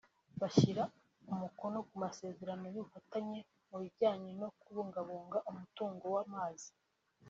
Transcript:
bashyira umukono ku masezerano y’ubufatanye mu bijyanye no kubungabunga umutungo w’amazi